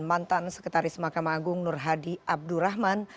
mantan sekretaris mahkamah agung nur hadi abdurrahman